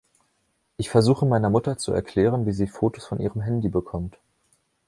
Ich versuche meiner Mutter zu erklären, wie sie Fotos von ihrem Handy bekommt.